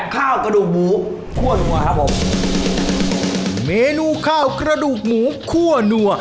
กระดูกหมูคั่วนัวครับผมเมนูข้าวกระดูกหมูคั่วนัว